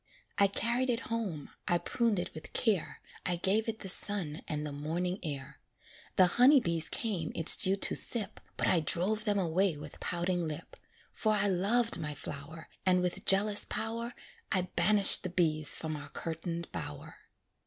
I carried it home, I pruned it with care, I gave it the sun and the morning air. The honey bees came its dew to sip, But I drove them away with pouting lip; For I loved my flower, And with jealous power I banished the bees from our curtained bower.